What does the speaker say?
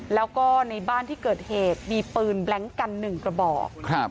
แล้วก็ในบ้านที่เกิดเหตุมีปืนแบล็งกัน๑กระบอก